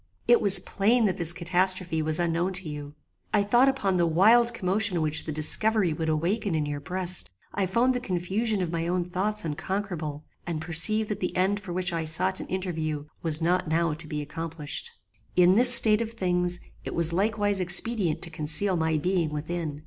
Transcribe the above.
It was plain that this catastrophe was unknown to you: I thought upon the wild commotion which the discovery would awaken in your breast: I found the confusion of my own thoughts unconquerable, and perceived that the end for which I sought an interview was not now to be accomplished. "In this state of things it was likewise expedient to conceal my being within.